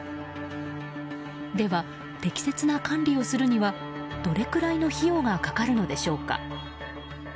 では適切な管理をするにはどれくらいの費用がかかるのでしょうか。